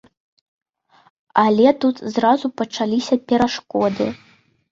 Але тут зразу пачаліся перашкоды.